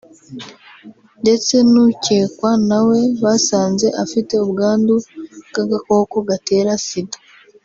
ndetse n’ukekwa na we basanze afite ubwandu bw’agakoko gatera Sida